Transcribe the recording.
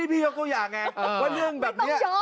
ไม่ได้พี่เอาตัวอย่างไงว่าเรื่องแบบนี้